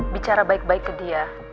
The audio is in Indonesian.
bicara baik baik ke dia